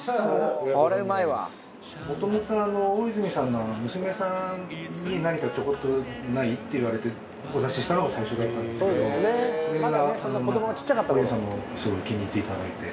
もともと大泉さんの娘さんに何かちょこっとない？って言われてお出ししたのが最初だったんですけどそれが大泉さんにもすごい気に入っていただいて。